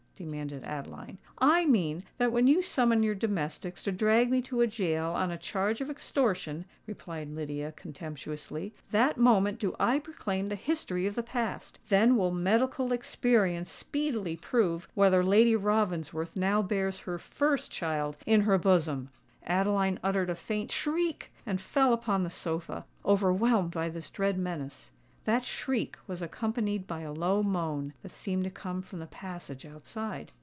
demanded Adeline. "I mean that when you summon your domestics to drag me to a gaol on a charge of extortion," replied Lydia, contemptuously, "that moment do I proclaim the history of the past! Then will medical experience speedily prove whether Lady Ravensworth now bears her first child in her bosom!" Adeline uttered a faint shriek, and fell back upon the sofa, overwhelmed by this dread menace. That shriek was accompanied by a low moan that seemed to come from the passage outside.